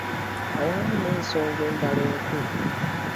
Awamu n'ensonga endala enkulu.